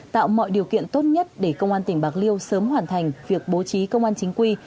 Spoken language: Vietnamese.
tạo mọi điều kiện tốt nhất để công an tỉnh bạc liêu sớm hoàn thành việc bố trí công an chính quy